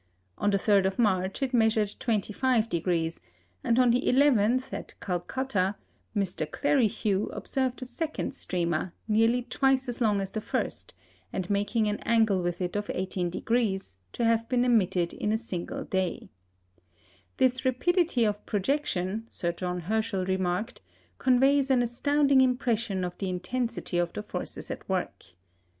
On the 3rd of March it measured 25°, and on the 11th, at Calcutta, Mr. Clerihew observed a second streamer, nearly twice as long as the first, and making an angle with it of 18°, to have been emitted in a single day. This rapidity of projection, Sir John Herschel remarked, "conveys an astounding impression of the intensity of the forces at work."